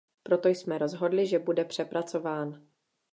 Proto jsme rozhodli, že bude přepracován.